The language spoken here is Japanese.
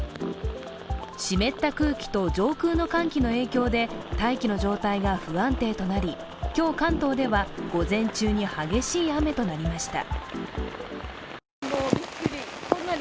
湿った空気と上空の寒気の影響で大気の状態が不安定となり今日、関東では午前中に激しい雨となりました。